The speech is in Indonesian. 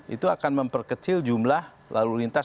itu akan memperkecil jumlah lalu lintas